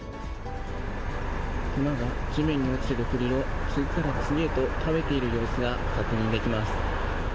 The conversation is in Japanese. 熊が地面に落ちているくりを次から次へと食べている様子が確認できます。